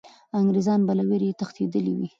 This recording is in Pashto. انګریزان به له ویرې تښتېدلي وي.